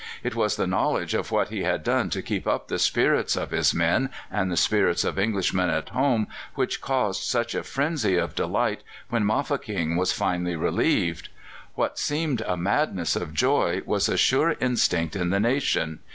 It was the knowledge of what he had done to keep up the spirits of his men and the spirits of Englishmen at home which caused such a frenzy of delight when Mafeking was finally relieved. What seemed a madness of joy was a sure instinct in the nation.